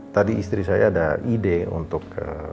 tadi istri saya ada ide untuk